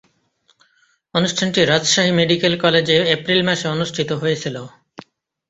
অনুষ্ঠানটি রাজশাহী মেডিকেল কলেজে এপ্রিল মাসে অনুষ্ঠিত হয়েছিলো।